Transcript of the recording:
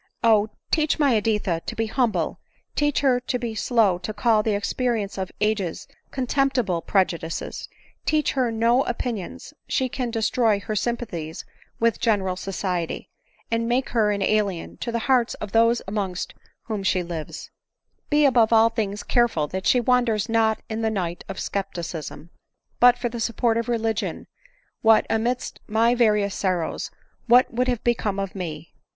— Oh ! teach my Editha to be humble, teach her to be slow to call the experience of ages contemptible prejudices ; teach her no opinions that can destroy her sympathies with general society, and make her an alien to the hearts of those amongst ivhom she lives. ADELINE MOWBRAY. 309 u Be above all things careful that she wanders not in the night of scepticism. But for the support of religion, what, amidst my various sorrows, what would have be come of me?